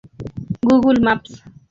Google Maps